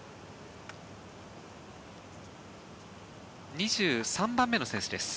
２３番目の選手です。